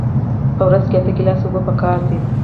په ورځ کې اته ګیلاسه اوبه پکار دي